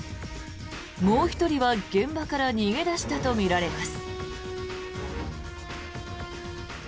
もう１人は現場から逃げ出したとみられます。